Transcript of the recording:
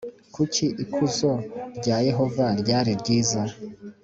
kuko ikuzo rya Yehova ryari ryiza